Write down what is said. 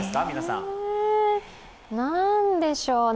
何でしょう